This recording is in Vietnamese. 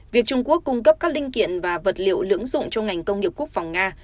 việc trung quốc cung cấp các linh kiện và vật liệu lưỡng dụng cho ngành công nghiệp quốc phòng nga